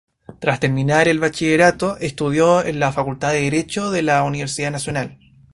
Tras terminar el bachillerato estudió en la facultad de Derecho de la Universidad Nacional.